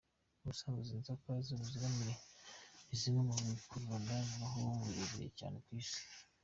Ubusanzwe izi nzoka z’uruziramire ni zimwe mu bikururanda bibaho birebire cyane ku isi.